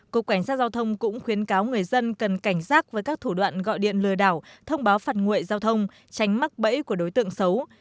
cục cảnh sát giao thông cũng khuyến cáo người dân cần cảnh giác với các thủ đoạn gọi điện lừa đảo thông báo phạt nguội giao thông tránh mắc bẫy của đối tượng xấu